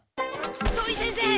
土井先生